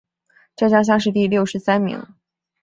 浙江乡试第六十三名。